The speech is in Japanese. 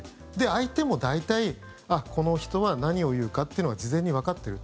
相手も大体この人は何を言うかっていうのが事前にわかってる。